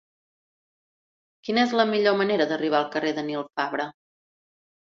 Quina és la millor manera d'arribar al carrer de Nil Fabra?